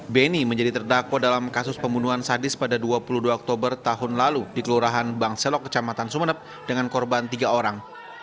beni menjadi terdakwa dalam kasus pembunuhan sadis pada dua puluh dua oktober tahun lalu di kelurahan bangselok kecamatan sumeneb dengan korban tiga orang